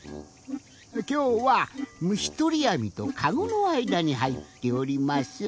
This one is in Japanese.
きょうはむしとりあみとかごのあいだにはいっております。